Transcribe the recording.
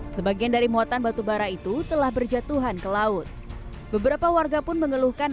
sebagian dari muatan batu bara itu telah berjatuhan ke laut beberapa warga pun mengeluhkan